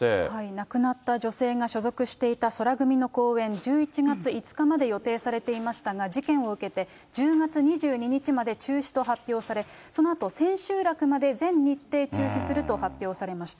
亡くなった女性が所属していた宙組の公演、１１月５日まで予定されていましたが、事件を受けて、１０月２２日まで中止と発表され、そのあと、千秋楽まで全日程中止すると発表されました。